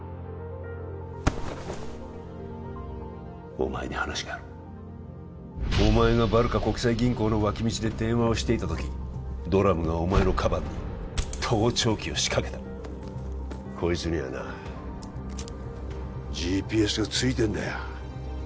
お前に話があるお前がバルカ国際銀行の脇道で電話をしていた時ドラムがお前のカバンに盗聴器を仕掛けたこいつにはなＧＰＳがついてんだよ